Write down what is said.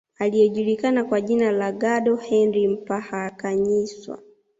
Aliyejulikana kwa jina la Gadla Henry Mphakanyiswa